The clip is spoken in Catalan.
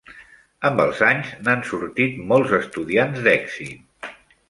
Amb els anys, n'han sortit molts estudiants d'èxit.